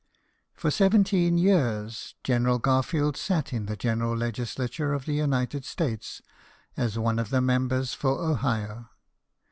For seventeen years, General Garfield sat in the general legislature of the United States as one of the members for Ohio.